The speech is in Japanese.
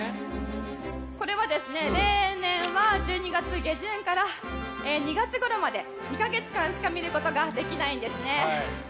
これは例年１２月下旬から２月ごろまで２か月間しか見ることができないんですね。